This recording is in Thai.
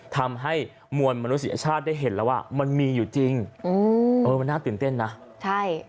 ทำให้มวลมนุษยชาติได้เห็นแล้วว่ามันมีอยู่จริงอืมเออมันน่าตื่นเต้นนะใช่